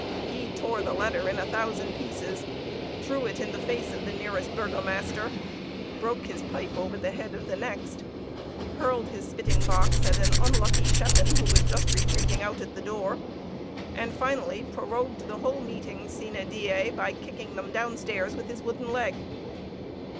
He tore the letter in a thousand pieces threw it in the face of the nearest burgomaster broke his pipe over the head of the next hurled his spitting box at an unlucky schepen, who was just retreating out at the door; and finally prorogued the whole meeting sine die, by kicking them downstairs with his wooden leg.